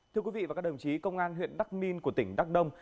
thưa quý vị và các đồng chí công an huyện đắc minh của tỉnh đắc đông